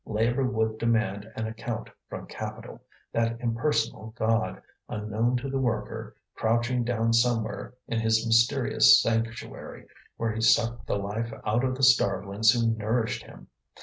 labour would demand an account from capital: that impersonal god, unknown to the worker, crouching down somewhere in his mysterious sanctuary, where he sucked the life out of the starvelings who nourished him!